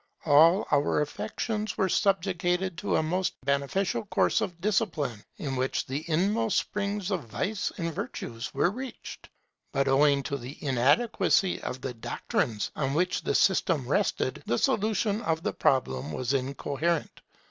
All our affections were subjected to a most beneficial course of discipline, in which the inmost springs of vice and virtue were reached. But owing to the inadequacy of the doctrines on which the system rested, the solution of the problem was incoherent.